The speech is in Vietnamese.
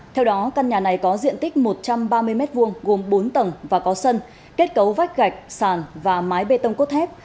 theo đó căn nhà này có diện tích một trăm ba mươi m hai gồm bốn tầng và có sân kết cấu vách gạch sàn và mái bê tông cốt thép